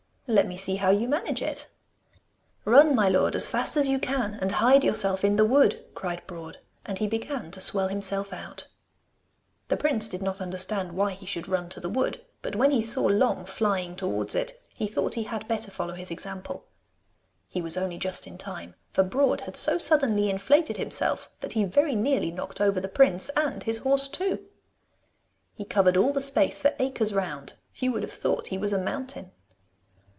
'Let me see how you manage it.' 'Run, my lord, as fast as you can, and hide yourself in the wood,' cried Broad, and he began to swell himself out. The prince did not understand why he should run to the wood, but when he saw Long flying towards it, he thought he had better follow his example. He was only just in time, for Broad had so suddenly inflated himself that he very nearly knocked over the prince and his horse too. He covered all the space for acres round. You would have thought he was a mountain!